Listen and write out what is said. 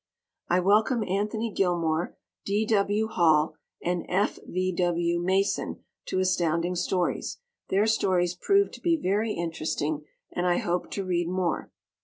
I welcome Anthony Gilmore, D. W. Hall and F. V. W. Mason to Astounding Stories. Their stories proved to be very interesting and I hope to read more.